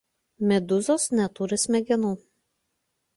Medūzos neturi smegenų.